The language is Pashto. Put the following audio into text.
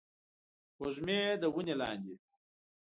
وږمې د ونې لاندې